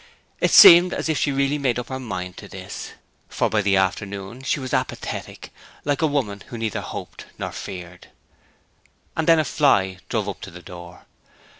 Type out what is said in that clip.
It seemed as if she really made up her mind to this, for by the afternoon she was apathetic, like a woman who neither hoped nor feared. And then a fly drove up to the door.